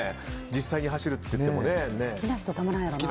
実際に走るといってもね。